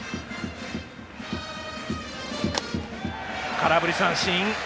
空振り三振。